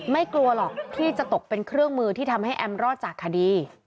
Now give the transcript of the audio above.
กลัวหรอกที่จะตกเป็นเครื่องมือที่ทำให้แอมรอดจากคดี